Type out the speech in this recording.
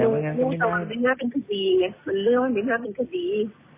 มันไม่น่าเป็นคดีไงมันเรื่องไม่น่าเป็นคดี